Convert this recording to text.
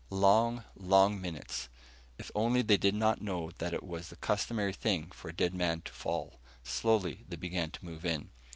Long, long minutes.... If only they did not know that it was the customary thing for a dead man to fall.... Slowly they began to move in.